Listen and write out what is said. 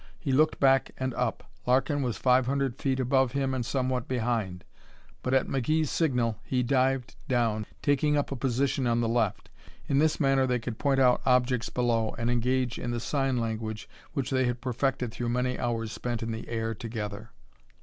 He looked back and up. Larkin was five hundred feet above him and somewhat behind, but at McGee's signal he dived down, taking up a position on the left. In this manner they could point out objects below and engage in the sign language which they had perfected through many hours spent in the air together.